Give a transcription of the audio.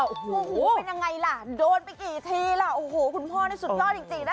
โอ้โหเป็นยังไงล่ะโดนไปกี่ทีล่ะโอ้โหคุณพ่อนี่สุดยอดจริงนะ